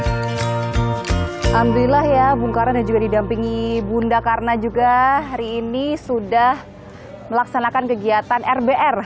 alhamdulillah ya bung karno dan juga didampingi bunda karena juga hari ini sudah melaksanakan kegiatan rbr